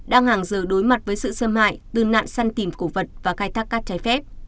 đang hàng giờ đối mặt với sự xâm hại từ nạn săn tìm cổ vật và khai thác cát trái phép